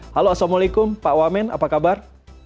halo assalamualaikum pak wamen apa kabar